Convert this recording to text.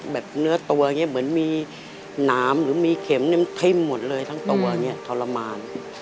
เนื้อตัวอย่างนี้เหมือนมีหนามหรือมีเข็มทิ้มหมดเลยทั้งตัวอย่างนี้ทรมาน